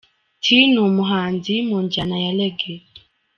T ni umuhanzi mu njyana ya Reggae.